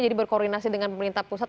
jadi berkoordinasi dengan pemerintah pusat